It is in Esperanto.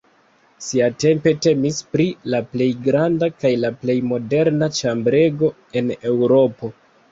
Siatempe temis pri la plej granda kaj la plej moderna ĉambrego en Eŭropo.